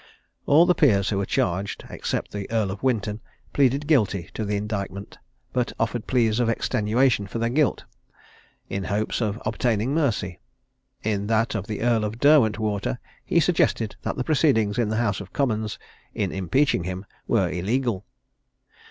All the Peers who were charged, except the Earl of Winton, pleaded guilty to the indictment, but offered pleas of extenuation for their guilt, in hopes of obtaining mercy. In that of the Earl of Derwentwater, he suggested that the proceedings in the House of Commons, in impeaching him, were illegal.